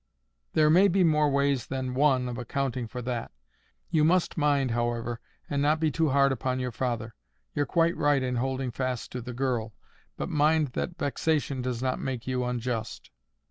"There may be more ways than one of accounting for that. You must mind, however, and not be too hard upon your father. You're quite right in holding fast to the girl; but mind that vexation does not make you unjust."